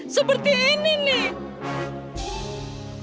seperti ini nek